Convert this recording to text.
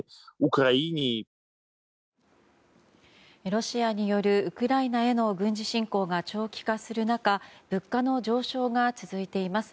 ロシアによるウクライナへの軍事侵攻が長期化する中物価の上昇が続いています。